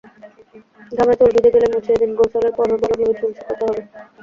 ঘামে চুল ভিজে গেলে মুছিয়ে দিন, গোসলের পরও ভালোভাবে চুল শুকাতে হবে।